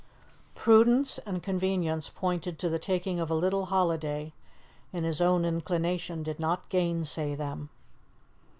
Prudence and convenience pointed to the taking of a little holiday, and his own inclination did not gainsay them.